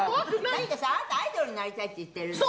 だってさあなたアイドルになりたいって言ってるんでしょ？